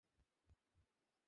আপনার কম্যুনিটি আপনাকে ভালোবাসে।